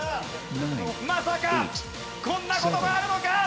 まさかこんな事があるのか！？